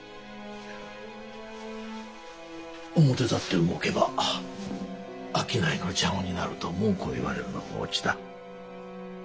表立って動けば商いの邪魔になると文句を言われるのが落ちだ。